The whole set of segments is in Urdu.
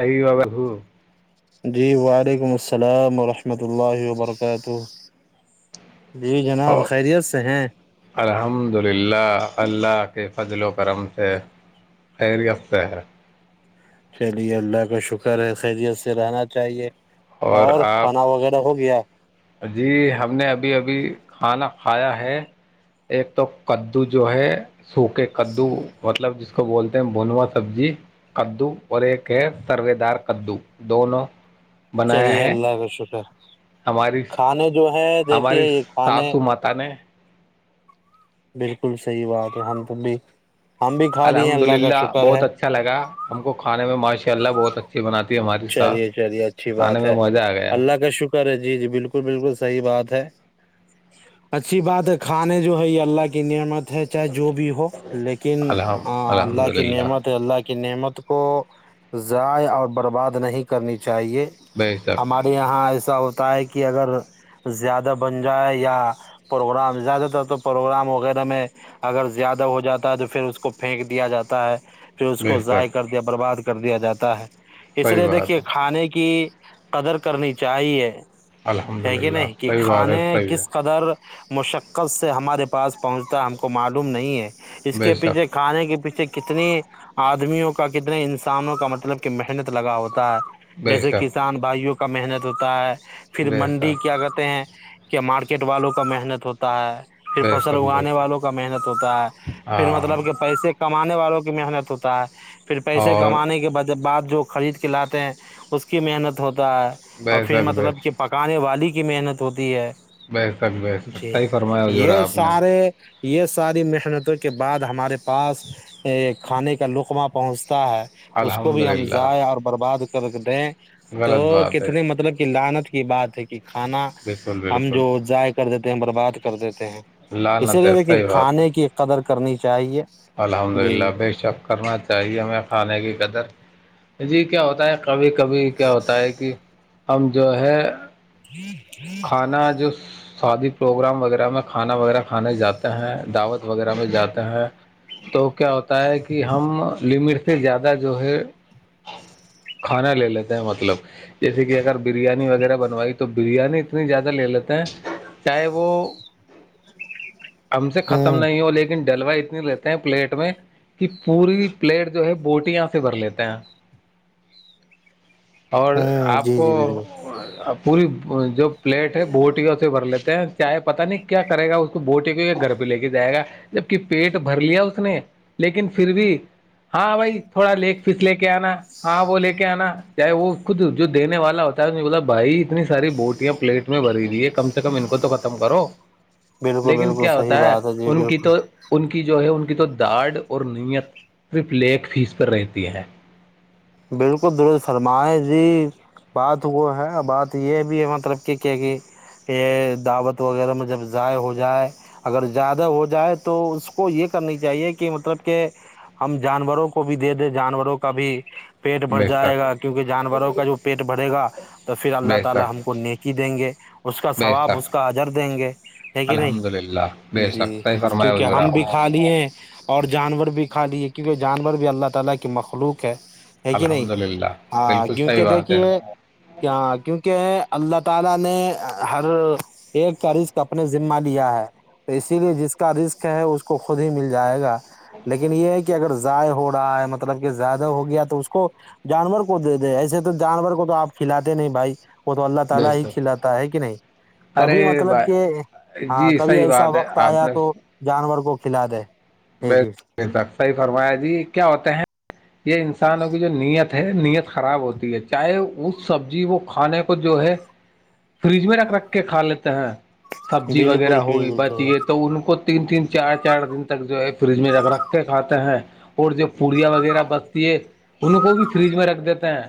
ائی و بو جی وعلیکم السلام ورحمۃ اللہ وبرکاتہ جی جناب خیریت سے ہیں الحمد للہ اللہ کے فضل و کرم سے خیریت سے ہے چلیے اللہ کا شکر ہے خیریت سے رہنا چاہیے اور کھانا وغیرہ ہو گیا جی ہم نے ابھی ابھی کھانا کھایا ہے ایک تو کدو جو ہے سوکھے کدو مطلب جس کو بولتے ہیں بھونوا سبزی کدو اور ایک ہے سروے دار کدو دونوں چری بنایا ہے اللہ ک شک ہماری ہماری یہ کھانے ساسو مات نے بالکل صحیح بات ہے ہم ت بھی ہم بھی کھا لیے الحمد اللہ کا للہ شکر ہے بہت اچھا لگا ہم کو آان میں ماشء اللہ بہت اچھی بناتی ہے ہماری ساس چلیے چلیے اچھی کھانے بات میں ہے مزہ آ گیا اللہ کا شکر ہے جی جی بالکل بالکل صحیح بات ہے اچھی بات ہے کھانے جو ہے یہ اللہ کی نعمت ہے چاہے جو بھی ہو لیکن الحم الحمد اللہ کی للہ نعمت اللہ کی نعمت کو ضائع اور برباد نہیں کرنی چاہیے چاہیے بے شک ہمارے یہاں ایس ایسا ہوتا ہے کہ اگر زیادہ بن جائے یا پروگرام زیادہ تر تو پروگرام وغیرہ میں اگر زیادہ ہو جاتا ہے تو پھر اس کو پھینک دیا جاتا ہے پھر اس بے کو ضائع شک کر دیا برباد کر دیا جاتا ہے اس صحیح لیے بات دیکھیے ہے کھانے کی قدر کرنی چاہیے الحمد ہے کہ للہ نہیں کہ صحیح بات ہے کھانے صحیح کس ہے قدر مشقت سے ہمارے پاس پہنچتا ہم کو معلوم نہیں ہے اس بے کے شک پیچھے کھانے کے پیچھے کیا کتنی آدمیوں کا کتنے انسانوں کا مطلب کہ محنت لگا ہوتا ہے بے جیسے شک کسان بھائیوں کا محنت ہوتا ہے پھر بے منڈی شک کیا کہتے ہیں کہ مارکیٹ والوں کا محنت ہوتا ہے پھر بے فصل شک بے اگانے والوں شک کا محنت ہوتا ہے پھر ہاں مطلب کہ پیسے کمانے والوں کی محنت ہوتا ہے پھر پیسے اور کمانے کے بعد جو خرید کے لاتے ہیں اس کی محنت ہوتی ہے بے اور پھر شک بے مطلب کہ پکانے والی کی کی محنت ہوتی ہے بہ سک ب سک جی صحیح فرمایا ہو ج رہا یہ آپ نے سارے یہ ساری مشنتوں کے بعد ہمارے پاس کھانے کا لقمہ پہنچ ہے اس کو الحمد بھی ہم للہ جائے اور برباد کرک د ہیں تو غلط بات ہے کتنے مطلب کہ لن بات ہے کھانا بالکل ہم بالکل جو ضائع کر دیتے برباد کرتے اسی لالنت لیے ہے دیکھیے صحیح بات ہے کھانے کی قدر کرنی چاہیے الحمد للہ جی بے شک کرنا چاہیے ہمیں کھانے کی قدر جی کیا ہوتا ہے کبھی کبھی کیا ہوتا ہے کہ ہم جو ہے ہی کھانا جو سادی پروگرام وغیرہ میں کھانا وغیرہ کھانے جاتے ہیں دعوت وغیرہ میں جاتے ہیں تو کیا ہوتا ہے کہ ہم لمٹ سے زیادہ جو ہے کھانا لے لیتے ہیں مطلب جیسے کہ اگر بریانی وغیرہ بنوائی تو بریانی اتنی زیادہ لے لیتے ہیں چاہے وہ ہم سے ہوں ختم نہیں ہو لیکن جلوا اتنی لیتے ہیں پلیٹ میں کہ پوری پلیٹ جو ہے بوٹیاں سے بھر لیتے ہیں اور ہوں آپ جی کو جی بالکل پوری جب پلیٹ ہے بوٹیاں اسے بھر لیتے ہیں چاہے پتاہ نہیں کیا کرے گا اس کو بوٹی کو گھر پہ لے کے جائے گا جبک پیٹ بھر لیا اس نے لیکن پھر بھی ہاں بھائی تھوڑا لیک پس لے کے آنا ہاں وہ لے کے آنا چاہے وہ خود جو دینے والا ہوتا ہے نے بو بھائی اتنی ساری بوٹیاں پلیٹ میں بری ہوئی ہے کم سے کم ان کو تو ختم کرو بالکل لیکن بالکل کیا صحیح ہوتا ہے بات جی ان کی بالکل تو ان کی جو ہے ان کی تو داڑ اور نیت پرپ لیک فیس پر رہتی ہے بالکل درز فرما جی بات وہ ہے بات یہ بھی ہے مطلب کہ کیا کہ یہ دعوت وغیرہ میں جب ضائع ہو جائے اگر زیادہ ہو جائے تو اس کو یہ کرنی چاہیے کہ مطلب کہ ہم جانوروں کو بھی دے دیں جانوروں کا بھی مر بے جائے شک گا کیونکہ جانوروں کا جو پیٹ بھرے گا تو پھر اللہ بے تعالی شک ہم کو نیکی دیں گے اس کا بے ثواب شک اس کا اجر دیں گے کہ نہیں الحمد للہ بے شک صحیح فرمایا کیونکہ حضور ہم آپ بھی نے کھا لیے اور جانور بھی کھا دی السلام علیکم محترم بھائی جان آپ کو الحمد بھی للہ مبارک ہو بالکل جناب صحیح ہے بات کہ نہیں ہاں کیونکہ دیکھیے کیا کیونکہ السلام علیکم محترم بھائی جان آپ کو بھی مبارک ہو جناب آپ کو بھی مبارک ہو جناب لیکن یہ ہے کہ اگر ضع ہو رہا ہے مطلب کہ زیادہ ہو گیا تو اس کو کو جانور کو دے د ایسے تو جانور کو تو آپ کھلاتے نہیں بھائی وہ تو اللہ تعالی بے ہی شک کھلاتا ہے کہ نہیں کبھی ارے مطلب کہ بھائی ا جی کبھی صحیح ایسا بات ہے وقت ایا تو جانور فلاد ہے ب کہ صحی فرمایا جی کیا ہوتے ہیں یہ انسانوں کی جو نیت ہے نیت خراب ہوتی ہے چاہے اس سبزی وہ کھانے کو جو ہے فریج میں رکھ رکھ کے کھا لیتے ہیں سبزی وغیرہ بالکل ہوئی بالکل بچیے صحیح تو ان کو تین تین چار چار دن تک جو ہے فریج میں رکھ رکھ کے کھاتے ہیں اور جو پوڑیاں وغیرہ بچتی ہے ان کو بھی فریج میں رکھ دیتے ہیں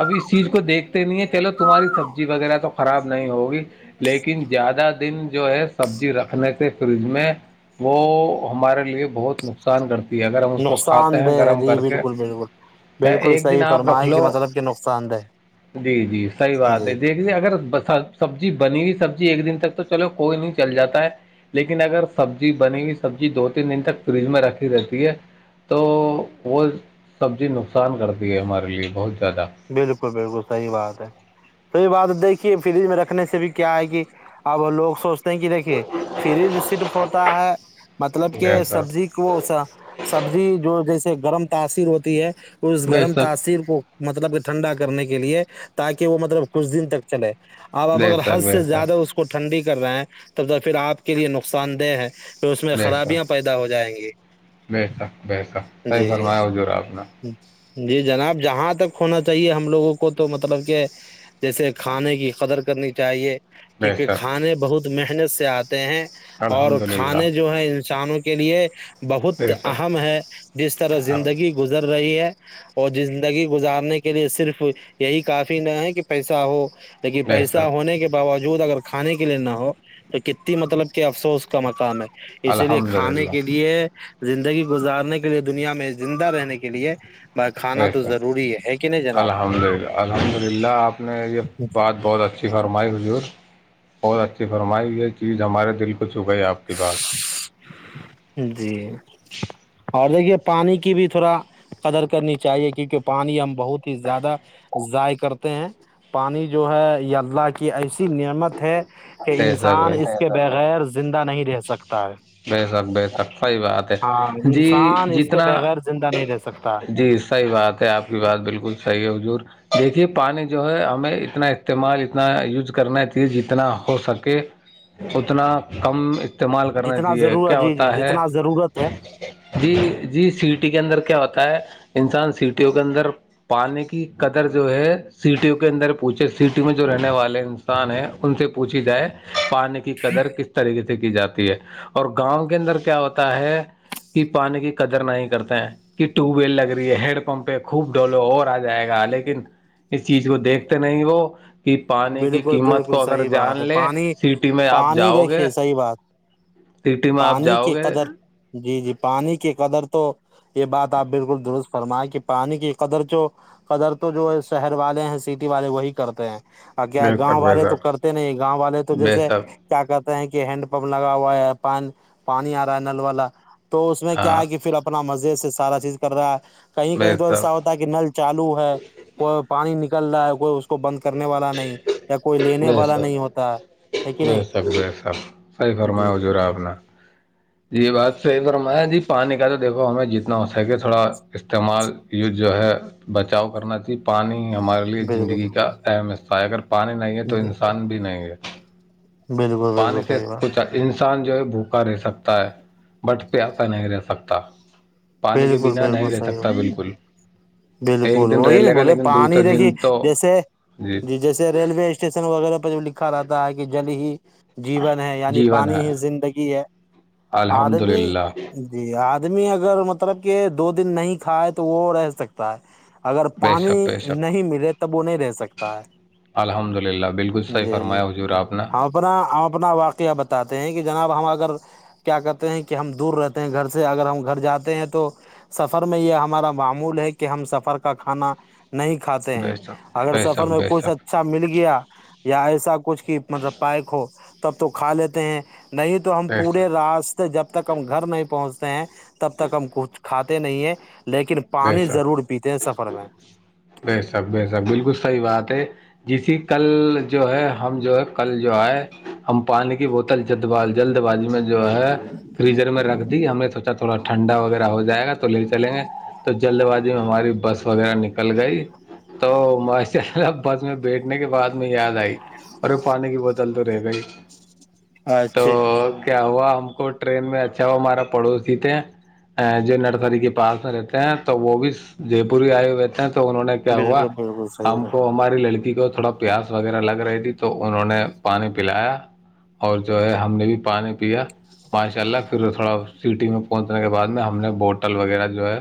اب اس چیز کو دیکھتے نہیں ہے چلو تمہاری سبزی وغیرہ تو خراب نہیں ہوگی لیکن زیادہ دن جو ہے سبزی رکھنے سے فریج میں وہ ہمارے لیے بہت نقصان کرتا اگر ہم اس کو کھاتے نقصان ہیں دہ ہے گرم جی کر کے بالکل بالکل بالکل ایک دن صحیح آپ رکھ فرمائے لو کہ مطلب کہ نقصان دہ جی جی صحیح بات جی ہے دیکھ اگر سبزی بنی ہوئی سبزی ایک دن تک تو چلو کوئی نہیں چل جاتا ہے لیکن اگر سبزی بنی ہوئی سبزی دو تین دن تک فریج میں رکھی رہتی ہے تو وہ سبزی نقصان کرتی ہے ہمارے لیے بہت زیادہ بالکل بالکل صحی بات ہے تو یہ بات دیکھیے فریج میں رکھنے سے بھی کیا ہے کہ اب لوگ سوچ ریکھے ف ہوتا ہے مطلب کہ ایسا سبزی کو سبزی جو جیس گرم تاثیر ہوتی ہے اس بے گرم شک تاثیر کو مطب ھنڈا کرنے کے لیے تاکہ وہ مطلب کچھ دن تک چلے اپ اپ بے اگر حد شک بے سے زیادہ شک اس کو ٹھنڈی کا کر رہا ہیں تب تو پھر آپ کے لیے نقصان دہ ہے پھر اس میں جیسر خرابیاں پیدا ہو جائیں گی بییسر بیسا صحی جی فرمایا جو راپنا جی جناب جہاں تک ہونا چاہیے ہم لوگوں کو تو مطلب کہ جیسے کھانے کی قدر کرنی چاہیے بے کیونک شک کھانے بہت تو محنت سے آد ہیں اور الحمد للہ کھانے جو ہے انسانوں کے کے لیے بہت بے شک اہم ہے جس طرح زندگی گزر رہی ہے اور زندگی گزارنے کے لیے صرف یہی کافی نہ ہے کہ پیسہ ہو لیکن بے پیسہ شک ہونے کے باوجود وجود اگر کھانے کے لیے نہ ہو تو کتنی مطلب کہ افسوس کا مقام ہے اسی لیے الحمد کھانے للہ کے لیے زندگی گزارنے کے لیے دنیا میں زندہ رہنے کے لیے ب کانا بے تو شک زر الحمد للہ الحمد للہ آپ نے یہ بات بہت اچھی فرمائی حضور بہت اچھی فرمائی یہ چیز ہمارے دل کو چھو گئی آپ کی بات جی اور دیکھیے پانی کی بھی تھوڑا قدر کرنی چاہیے کیونکہ پانی ہم بہت ہی زیادہ ضائع کرتے ہیں پانی جو ہے یا اللہ کی ایسی نعمت ہے کہ بے شک انسان بے اس شک کے بغیر زندہ نہیں رہ سکتا ہے بے سک بے سک صحیح بات ہے ہاں جی انسان اس کے جتنا بغیر زندہ نہیں رہ سکتا جی صحیح بات ہے آپ کی بات بالکل صحی ہے حجور دیکھیے پانی جو ہے ہمیں اتنا استعمال اتنا یوز کرنا چاہیے جتنا ہو سکے اتنا کم استعمال کرنا جتنا ضرورت کیا جی جی ہوتا ہے جتنا ضرورت ہے جی جی سٹی کے اندر کیا ہوتا ہے انسان سٹیوں کے اندر پانی کی قدر جو ہے سٹیوں کے اندر پوچھے سٹی میں جو رہنے والے انسان ہے ان سے پوچھی جائے پانے کی قدر کس طریق سے کی جاتی ہے اور اور گاؤں کے اندر کیا ہوتا ہے کہ پانی کی قدر نہیں کرتے ہیں کہ ٹیوب ویل لگ رہی ہے ہڈ پمپ ہے خوب ڈولو اور آ جائے گا لیکن اس چیز کو دیکھتے نہیں وہ کہ پانی کی بالکل قیمت بالکل کو اگر صحیح جان بات ہے لے پانی سٹی میں آپ پانی جاؤ گے دیکھیے صحیح بات سٹی میں آپ پانی جاؤ کی گے قدر جی جی پانی کی قدر تو یہ بات آپ بالکل درست فرمائیں کہ پانی کی قدر جو قدر تو جو ہے شہر والے ہیں سٹی والے وہی کرتے ہیں ا کیا بے گاؤں شک بے والے تو شک کرتے نہیں گاؤں والے تو بے جیسے شک کیا کرتے کہ ہینڈ پمپ لگا ہوا ہے پانی پانی آ رہا ہے نل والا تو اس میں کیا ہاں ہے کہ پھر اپنا مزہ جس سے سارا چیز کر رہا ہے کہیں بے کہیں تو سب ایسا ہوتا ہے کہ نل چالو ہے کو پانی نکل کرل رہا ہے کوئی اس کو بند کر کرنے والا نہیں یا کوئی لینے بے والا سب نہیں ہوتا ہے کہ نہیں بے سک بے سک صحیح جی فرمایا حضور آپ نے جی یہ بات صحی فم ہے جی پانی کا تو دیکھو ہمیں جتنا ہو سکے تھوڑا استعمال یو جو ہے بچاؤ کرنا تھی پانی ہمارے لیے بالکل زندگی کا میں سائگر پانی نہیں ہے تو بالکل انسان بھی نہیں ہے بالکل پانی بالکل سے صحیح بات کچھ انسان جو ہے بھوکا رہ سکتا ہے بٹ پیسا نہیں رہ سکتا پانی کے بالکل بنا بالکل نہیں رہ صحیح سکتا بالکل ایک بالکل دن رہ وہی نہیں لے گا بولے لیکن دوسرے پانی دن دیکھی تو جیسے جی جیسے ریلوے اسٹیشن وغیرہ پ دھا رہتا ہے کہ جل ہی جیون ہے یعنی جیون پانی ہے ہی زندگی ہے الحمد آدمی للہ جی آد آدمی اگرطلب طرب کہ دو دن نہیں کھائے تو وہ رہ سکتا ہے اگر بے شک پانی بے شک نہیں ملے تب وہ نہیں رہ سکتا ہے الحمد للہ بالکل صحیح جی جی فرمایا حضور آپ نے ہم اپنا ہم اپنا واقعہ بتاتے ہیں کہ جناب ہم اگر کیا کہتے ہیں کہ ہم دور رہتے ہیں گھر سے اگر ہم گھر جاتے ہیں تو تو سفر میں یہ ہمارا معمول ہے کہ ہم سفر کا کھانا نہیں کھاتے ہیں بے شک اگر بے سفر شک میں بے کچھ شک اچھا مل گیا یا ایسا کچھ کہ مطب پائیک ہو تب تو کھا لیتے ہیں نہیں تو ہم بے پورے شک راستے جب تک ہم گھر نہیں پہنچتے ہیں تب تک ہم کوچ کھاتے نہیں ہیں بیسب ضرور پیتے ہیں سفر میں بیسب بسب بالکل صحیح بات ہے جیے کل جو ہے ہم جو ہے کل جو ہے ہم پانی کی بوتل ج بال جلد بازی میں جو ہے فریزر میں رکھ دی ہم نے سوچا تھا تھوڑ ھنڈا یر ہو جائے گا تو لے چلیں گے جلد بازی میں ہماری بس وغیرہ نکل گئی تو ماشاء اللہ بس میں بیٹھنے کے بعد میں یاد آئی اور پانی کی بوتل تو رہ گئی تو اچھا کیا ہوا ہم کو ٹرین میں اچھا ہوا ہمارا پڑوسی تھے جو نرسری کے پاس رہتا ہیں تو وہ بھی جے پور ہی آئے ہوئےتے ہیں تو انہوں نے کیا ہوا بالکل بالکل ہم صحیح ہے کو ہماری لڑکی کو تھوڑا پیاس وغیرہ لگ رہی تھی تو انہوں نے پانی پلایا اور جو ہے ہم نے بھی پانی پیا پانچ چال ال پھر تھوڑا سٹی میں پہنچنے کے بعد میں ہم نے بوٹل وغیرہ جو ہے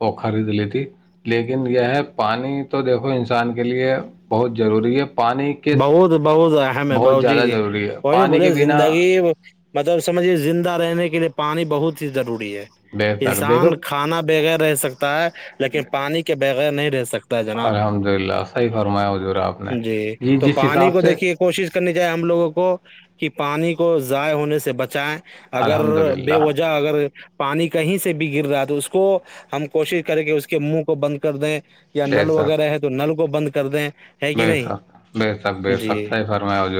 وہ خرید لیتی لیکن یہ ہے پانی تو دیکھو انسان کے لیے بہت ضروری ہے پانی کے بہت بہت اہم ہے بہ بہت جی زیادہ جی ضروری ہے وہی نا پانی کے بولے بنا زندگی مطلب سمجھیے زندہ رہنے کے لیے پانی بہت ہی ضوری ہے بے تک دیکھو انسان کھانا بغیر رہ سکتا ہے لیکن پانی کے بعد بغیر نہیں رہ سکتا ہے جناب الحمد للہ صحیح فرمایا حجورا آپ نے جی جس پانی حساب کو سے دیکھیے کوشش کرنی چیے ہم لوگوں کو کہ پانی کو ضائع ہونے سے بچائیں اگر الحمد بے للہ وجہ اگر پانی کہیں سے بھی گر رہا ہے تو اس کو ہم کوشش کریں کہ اس کے منہ کو بند کر دیں یا نل وغیرہ ہے تو نل کو بند کر دیں ہے کہ نہیں میںسا میںس جی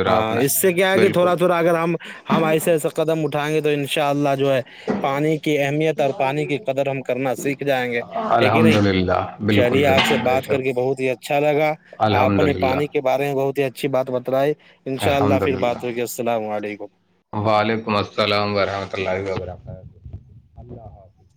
ہاں اس سے کیا ہے کہ تھوڑا بالکل تھوڑا اگر ہم ہم ایسے ایسے قدم اٹھائیں گے تو ان شاء اللہ جو ہے پانی کی اہمیت اور پانی کی قدر ہم کرنا سیکھ جائیں گے یک الحمد نہیں للہ بالکل چلیے آپ سے بالکل بے بات کر شک کے بہت ہی اچھا لگا آپ الحمد نے للہ پانی کے بار اچھی بات بت رہا ہے الحمد اللہ علیکم وعلیکم السلام وورحمۃ اللہ وبرکاتہ اللہ حافظ